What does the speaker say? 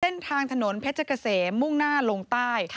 เส้นทางถนนเพชรเกษมมุ่งหน้าลงใต้